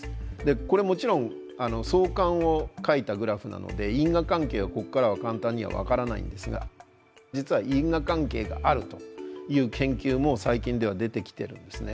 これもちろん相関を描いたグラフなので因果関係はここからは簡単には分からないんですが実は因果関係があるという研究も最近では出てきてるんですね。